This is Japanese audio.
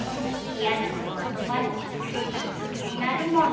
嫌なことを後回しにするとずっと気になるもんね。